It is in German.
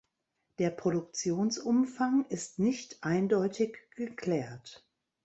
Der Produktionsumfang ist nicht eindeutig geklärt.